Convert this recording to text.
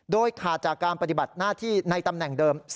โดยขาดจากการปฏิบัติหน้าที่ในตำแหน่งเดิม